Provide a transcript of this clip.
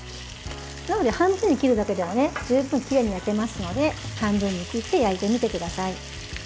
なので半分に切るだけでも十分きれいに焼けますので半分に切って焼いてみてください。